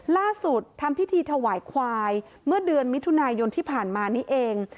ทำพิธีถวายควายเมื่อเดือนมิถุนายนที่ผ่านมานี้เอง